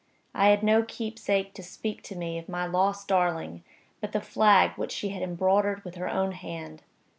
I had no keepsake to speak to me of my lost darling but the flag which she had embroidered with her own hand.